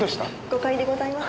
５階でございます。